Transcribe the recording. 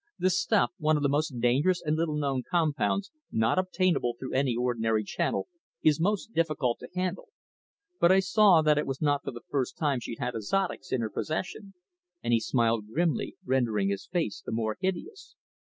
"The stuff, one of the most dangerous and little known compounds, not obtainable through any ordinary channel, is most difficult to handle. But I saw that it was not the first time she'd had azotics in her possession," and he smiled grimly, rendering his face the more hideous.